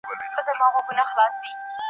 هر ربات مو ګل غونډۍ کې هره دښته لاله زار کې .